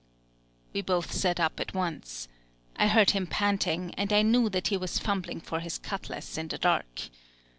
We both sat up at once. I heard him panting, and I knew that he was fumbling for his cutlass in the dark.